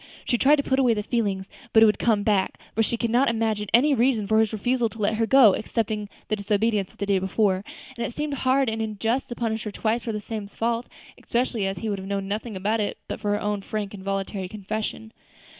She tried to put away the feeling, but it would come back; for she could not imagine any reason for his refusal to let her go, excepting the disobedience of the day before, and it seemed hard and unjust to punish her twice for the same fault, especially as he would have known nothing about it but for her own frank and voluntary confession.